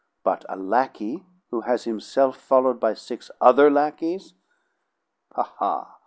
But a lackey who has himself followed by six other lackeys " "Ha, ha!